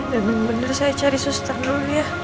lebih lebih saya cari suster dulu ya